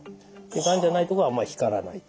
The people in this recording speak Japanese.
がんじゃないとこはあんまり光らない。